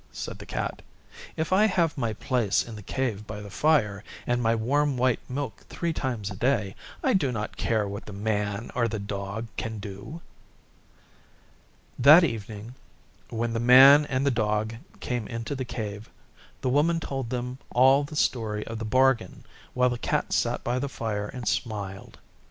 said the Cat. 'If I have my place in the Cave by the fire and my warm white milk three times a day I do not care what the Man or the Dog can do.' That evening when the Man and the Dog came into the Cave, the Woman told them all the story of the bargain while the Cat sat by the fire and smiled.